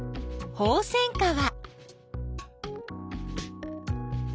ホウセンカは。